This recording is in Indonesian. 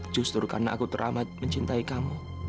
justru karena aku teramat mencintai kamu